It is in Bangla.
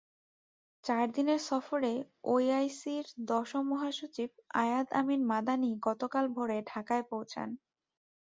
চার দিনের সফরে ওআইসির দশম মহাসচিব আয়াদ আমিন মাদানি গতকাল ভোরে ঢাকায় পৌঁছান।